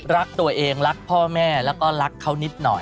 รักตัวเองรักพ่อแม่แล้วก็รักเขานิดหน่อย